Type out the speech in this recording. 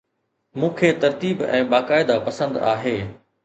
مون کي ترتيب ۽ باقاعده پسند آهي